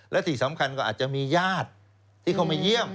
และที่สำคัญก็อาจจะมีญาติที่เข้ามาเยี่ยม